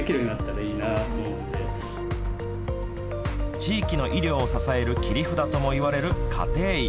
地域の医療を支える切り札とも言われる家庭医。